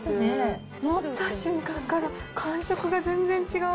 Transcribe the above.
持った瞬間から、感触が全然違う。